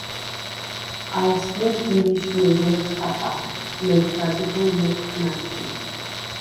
ალ სგიმს დირიშდი ეზერდ ხაყა, ლეთრადი გუნ ლჷჴმა̈შ ლი.